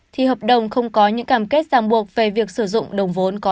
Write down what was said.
thì hợp đồng không có những cảm kết giang buộc về việc sử dụng đồng vốn có đồng